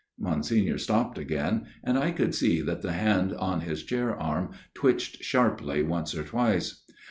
Monsignor stopped again, and I could see that the hand on his chair arm twitched sharply once or twice.